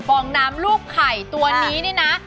ปลองน้ำรูปไข่ตัวนี้เนี่ยนะ